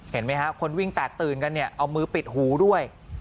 เห็นไหมฮะคนวิ่งแตกตื่นกันเนี่ยเอามือปิดหูด้วย